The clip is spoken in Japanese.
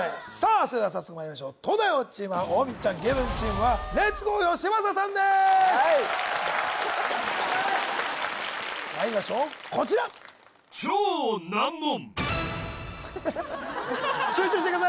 それでは早速まいりましょう東大王チームは大道ちゃん芸能人チームはレッツゴーよしまささんですまいりましょうこちら集中してください